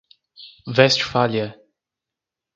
Westfália